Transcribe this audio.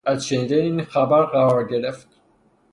از شنیدن این خبر قرار گرفت